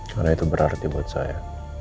karena itu berarti buat saya